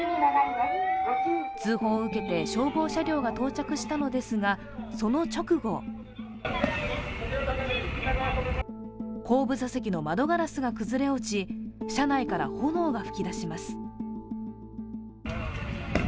通報を受けて消防車両が到着したのですが、その直後、後部座席の窓ガラスが崩れ落ち車内から炎が噴き出します。